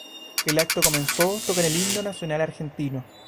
El acto comenzó tocan de el himno nacional argentino.